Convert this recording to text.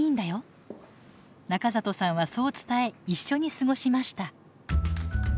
中里さんはそう伝え一緒に過ごしました。